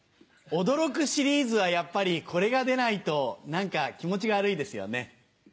「驚くシリーズ」はやっぱりこれが出ないと何か気持ちが悪いですよね。